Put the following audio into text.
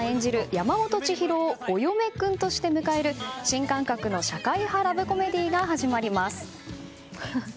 山本知博をお嫁くんとして迎える新感覚の社会派ラブコメディーが始まります。